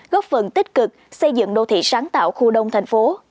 góp phần tích cực xây dựng đô thị sáng tạo khu đông thành phố